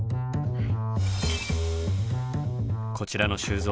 はい。